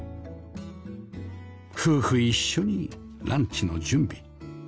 夫婦一緒にランチの準備